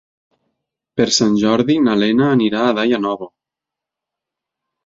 Per Sant Jordi na Lena anirà a Daia Nova.